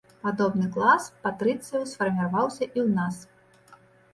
Падобны клас патрыцыяў сфарміраваўся і ў нас.